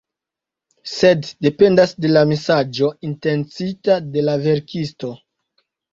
Sed dependas de la mesaĝo intencita de la verkisto.